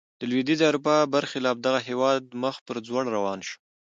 د لوېدیځې اروپا برخلاف دغه هېواد مخ پر ځوړ روان شو.